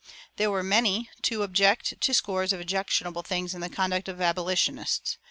There were many to object to scores of objectionable things in the conduct of abolitionists.